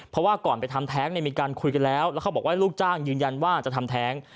เพราะว่าก่อนไปทำแท้งมีการคุยกันแล้วแล้วเขาบอกว่าลูกจ้างยืนยันว่าจะทำแท้ง